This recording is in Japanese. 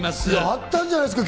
あったんじゃないですか？